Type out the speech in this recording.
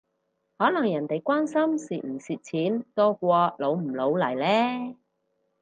可能人哋關心蝕唔蝕錢多過老唔老嚟呢？